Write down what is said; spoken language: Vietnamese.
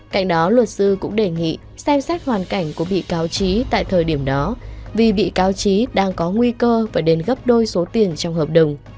cạnh đó luật sư cũng đề nghị xem xét hoàn cảnh của bị cáo trí tại thời điểm đó vì bị cáo trí đang có nguy cơ phải đến gấp đôi số tiền trong hợp đồng